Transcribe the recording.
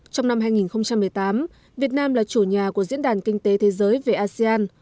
trong năm hai nghìn một mươi tám việt nam là chủ nhà của diễn đàn kinh tế thế giới về asean